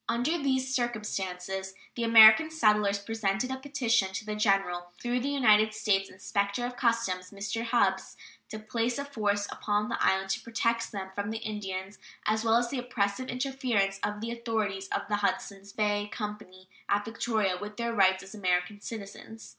Under these circumstances the American settlers presented a petition to the General "through the United States inspector of customs, Mr. Hubbs, to place a force upon the island to protect them from the Indians as well as the oppressive interference of the authorities of the Hudsons Bay Company at Victoria with their rights as American citizens."